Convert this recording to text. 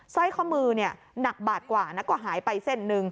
สร้อยข้อมือหนักบาทกว่าแล้วก็หายไปเส้นหนึ่ง